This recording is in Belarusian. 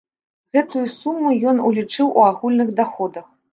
Гэтую суму ён улічыў у агульных даходах.